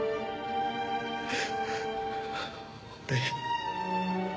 俺。